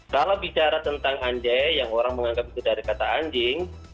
kalau bicara tentang anjai yang orang menganggap itu dari kata anjing